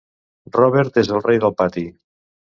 Robert és el rei del pati.